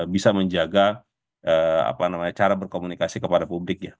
bisa menjaga cara berkomunikasi kepada publik ya